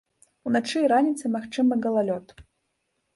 Уначы і раніцай магчымы галалёд.